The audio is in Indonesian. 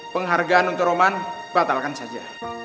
penghargaan untuk roman batalkan saja